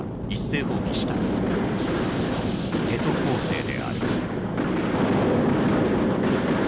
「テト攻勢」である。